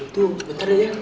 tuh bentar ya